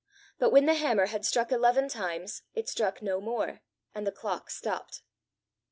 But when the hammer had struck eleven times, it struck no more, and the clock stopped.